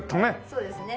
そうですね。